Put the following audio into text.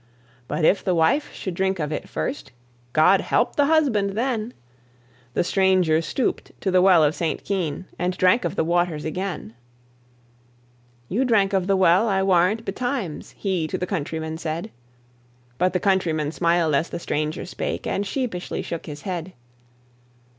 "But if the wife should drink of it first, God help the husband then!" The stranger stoop'd to the Well of St. Keyne, And drank of the waters again. "You drank of the well, I warrant, betimes?" He to the countryman said; But the countryman smiled as the stranger spake, And sheepishly shook his head.